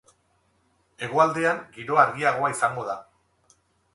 Hegoaldean giroa argiagoa izango da.